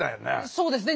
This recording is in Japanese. そうですね。